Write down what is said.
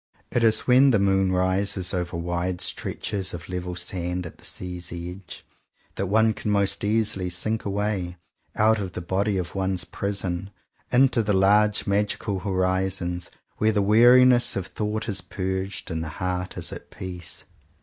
It is when the moon rises over wide stretches of level sand at the sea's edge, that one can most easily sink away, out of the body of one's prison, into the large magical horizons where the weariness of thought is purged, and the heart is at peace.